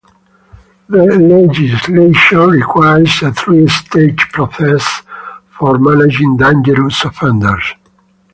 The legislation requires a three-stage process for managing dangerous offenders.